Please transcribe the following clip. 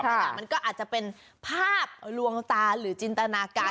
มันก็อาจจะเป็นภาพลวงตาหรือจินตนาการ